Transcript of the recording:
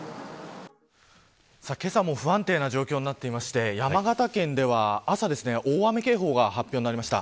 けさも不安定な状況になっていまして山形県では朝、大雨警報が発表になりました。